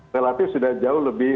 relatif sudah jauh lebih